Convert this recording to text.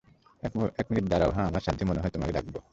এক মিনিট দাঁড়াও -হা, আমার শ্রাদ্ধে মনে হয় তোমায় ডাকবো!